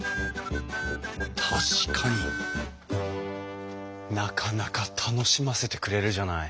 確かになかなか楽しませてくれるじゃない。